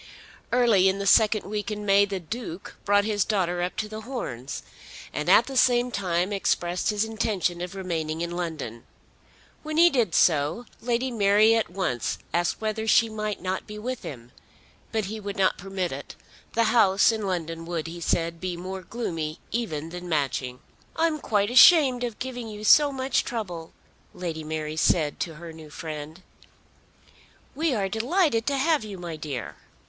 Early in the second week in May the Duke brought his daughter up to The Horns, and at the same time expressed his intention of remaining in London. When he did so Lady Mary at once asked whether she might not be with him, but he would not permit it. The house in London would, he said, be more gloomy even than Matching. "I am quite ashamed of giving you so much trouble," Lady Mary said to her new friend. "We are delighted to have you, my dear."